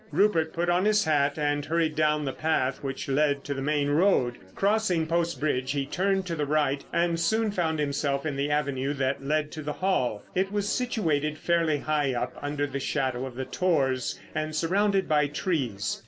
Rupert put on his hat and hurried down the path which led to the main road. Crossing Post Bridge he turned to the right and soon found himself in the avenue that led to the Hall. It was situated fairly high up under the shadow of the tors and surrounded by trees.